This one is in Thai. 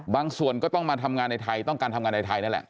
ส่วนก็ต้องมาทำงานในไทยต้องการทำงานในไทยนั่นแหละ